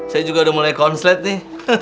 saya juga udah mulai konslet nih